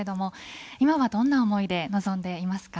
今はどんな思いで臨んでいますか。